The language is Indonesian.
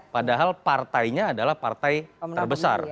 padahal partainya adalah partai terbesar